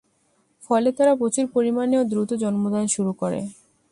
ফলে তারা প্রচুর পরিমানে ও দ্রুত জন্মদান শুরু করে।